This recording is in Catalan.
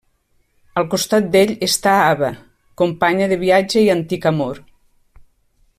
Al costat d'ell està Ava, companya de viatge i antic amor.